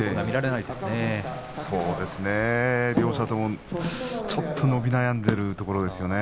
そうですね。両者ともちょっと伸び悩んでいるところですよね。